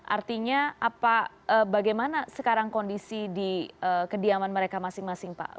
artinya bagaimana sekarang kondisi di kediaman mereka masing masing pak